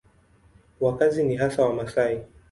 Wakazi ni hasa Wamasai.